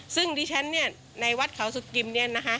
ซึ่งดิฉันเนี่ยในวัดเขาสุกิมเนี่ยนะคะ